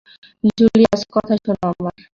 Julius, শোনো আমার কথা।